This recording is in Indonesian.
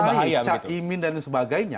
tidak hanya cak imin dan sebagainya